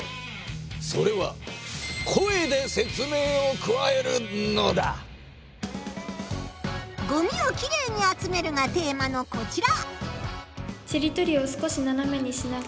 それは「ごみをキレイに集める」がテーマのこちら。